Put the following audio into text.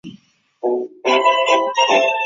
累官至广东按察司佥事。